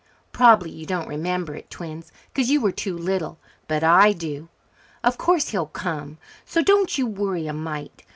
Prob'bly you don't remember it, twins, 'cause you were too little, but I do. Of course he'll come, so don't you worry a mite.